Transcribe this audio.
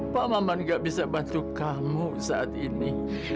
pak maman gak bisa bantu kamu saat ini